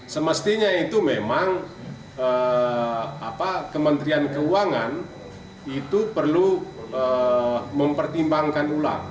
semestinya itu memang kementerian keuangan itu perlu mempertimbangkan ulang